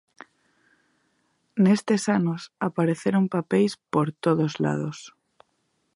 Nestes anos, apareceron papeis por todos lados.